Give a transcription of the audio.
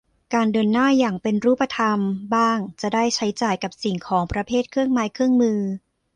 การเดินหน้าอย่างเป็นรูปธรรม บ้างจะได้ใช้จ่ายกับสิ่งของประเภทเครื่องไม้เครื่องมือ